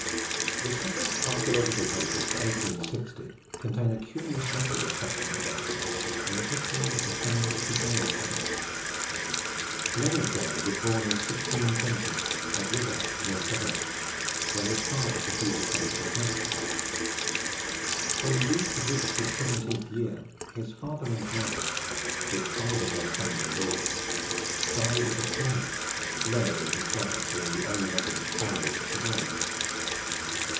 The Sussex Archaeological Papers for 1860 contain a curious record of such an adventurer, in the history of the founder of the Gale family. Leonard Gale was born in 1620 at Riverhead, near Sevenoaks, where his father pursued the trade of a blacksmith. When the youth had reached his seventeenth year, his father and mother, with five of their sons and daughters, died of the plague, Leonard and his brother being the only members of the family that survived.